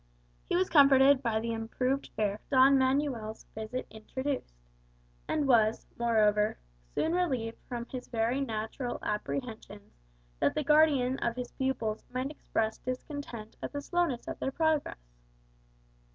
He was comforted by the improved fare Don Manuel's visit introduced; and was, moreover, soon relieved from his very natural apprehensions that the guardian of his pupils might express discontent at the slowness of their progress.